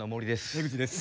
江口です。